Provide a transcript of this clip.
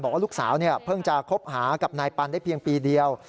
บอกว่าลูกสาวเพิ่งจะคบหากับนายปันได้เพียงปีเดียว